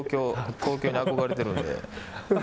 東京に憧れてるんで。